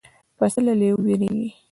پسه له لېوه وېرېږي.